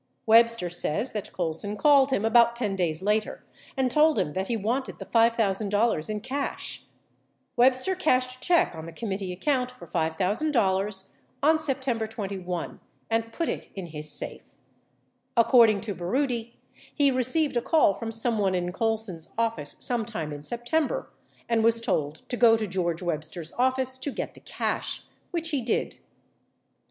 Webster says that Colson called him about 10 days later and told him that he wanted the $5,000 in cash. Webster cashed a check on the committee account for $5,000 on September 21 and put it in his safe. 81 According to Baroody, he received a call from someone in Colson's office some time in September and was told to go to George Webster's office to get the cash, which he did.